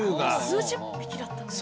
数十匹だったのに。